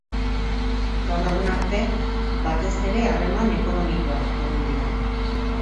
Gaur egun arte, batez ere harreman ekonomikoak egon dira.